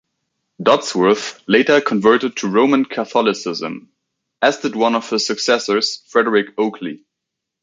Dodsworth later converted to Roman Catholicism, as did one of his successors, Frederick Oakeley.